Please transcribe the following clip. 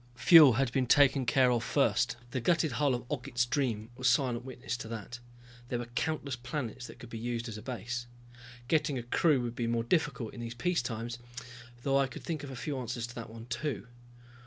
Fuel had been taken care of first, the gutted hull of Ogget's Dream was silent witness to that. There were countless planets that could be used as a base. Getting a crew would be more difficult in these peaceful times, although I could think of a few answers to that one, too.